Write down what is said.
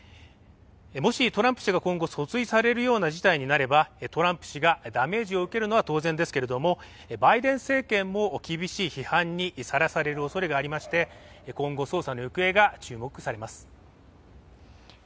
もしトランプ氏が今後訴追されるような事態になればトランプ氏がダメージを受けるのは当然ですけどもバイデン政権も厳しい批判にさらされるおそれがありまして今後、捜査の行方が注目されます。